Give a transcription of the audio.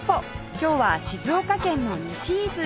今日は静岡県の西伊豆へ